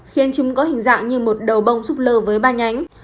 khiến chúng có hình dạng như một đầu bông súp lơ với ba nhánh